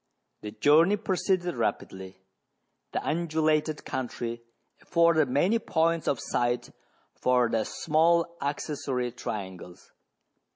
The journey proceeded rapidly. The undulated country afforded many points of sight for the small accessory trian gles.